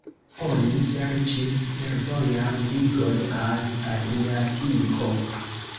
Oni serĉis fervojan ligon al Adriatiko.